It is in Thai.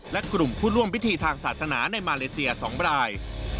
และกลุ่มผู้ร่วมพิธีทางศาสนาในมาเลเซีย๒ราย